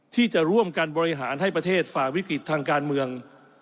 ที่จะร่วมกันบริหารให้ประเทศฝ่าวิกฤตทางการเมือง